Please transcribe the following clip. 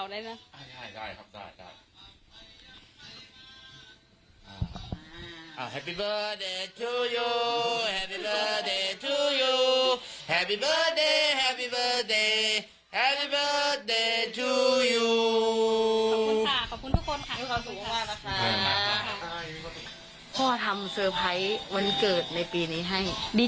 อันนี้ตั้งใจซื้อว่าเป็นของขวานวันเกิดให้แม่เลย